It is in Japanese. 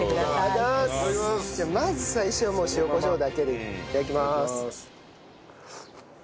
まず最初は塩コショウだけでいただきます。